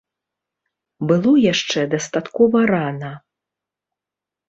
Было яшчэ дастаткова рана.